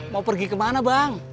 mau pergi kemana bang